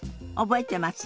覚えてます？